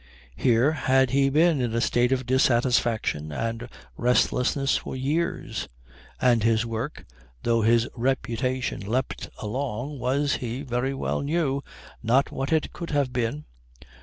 Here had he been in a state of dissatisfaction and restlessness for years, and his work, though his reputation leapt along, was, he very well knew, not what it could have been.